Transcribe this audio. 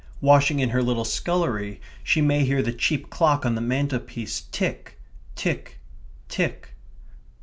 Washing in her little scullery, she may hear the cheap clock on the mantelpiece tick, tick, tick